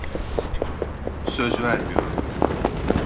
Söz vermiyorum.